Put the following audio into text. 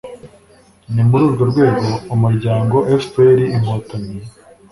ni muri urwo rwego umuryango fpr-inkotanyi